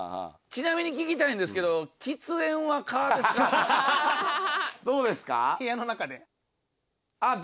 ちなみに聞きたいんですけどははははっ。